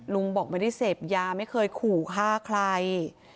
ลุงบอกไม่ได้เสพยาไม่เคยขู่ฆ่าใคร